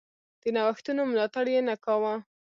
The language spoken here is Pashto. د نوښتونو ملاتړ یې نه کاوه.